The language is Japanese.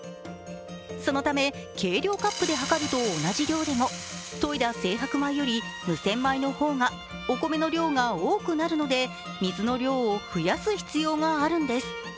そのため計量カップで測ると同じ量でも研いだ精白米より無洗米の方がお米の量が多くなるので水の量を増やす必要があるんです。